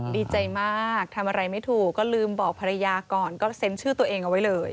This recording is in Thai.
ดีใจมากทำอะไรไม่ถูกก็ลืมบอกภรรยาก่อนก็เซ็นชื่อตัวเองเอาไว้เลย